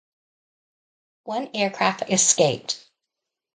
One aircraft escaped.